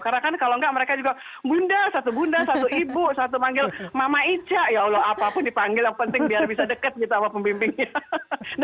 karena kan kalau gak mereka juga bunda satu bunda satu ibu satu panggil mama ica ya allah apapun dipanggil yang penting biar bisa deket gitu sama pembimbingnya